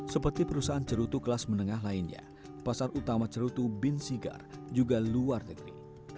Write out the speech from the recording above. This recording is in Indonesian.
seperti perusahaan cerutu kelas menengah lainnya pasar utama cerutu bin sigar juga luar negeri